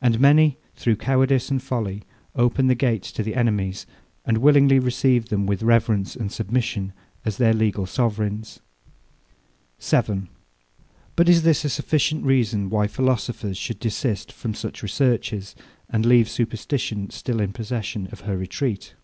And many, through cowardice and folly, open the gates to the enemies, and willingly receive them with reverence and submission, as their legal sovereigns. 7. But is this a sufficient reason, why philosophers should desist from such researches, and leave superstition still in possession of her retreat?